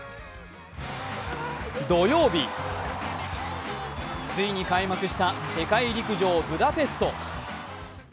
土曜日、ついに開幕した世界陸上ブダペスト。